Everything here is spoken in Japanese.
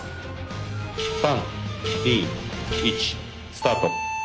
３２１スタート。